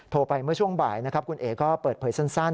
ไปเมื่อช่วงบ่ายนะครับคุณเอ๋ก็เปิดเผยสั้น